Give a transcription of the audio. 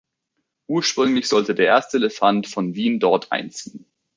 Ursprünglich sollte der erste Elefant von Wien dort einziehen.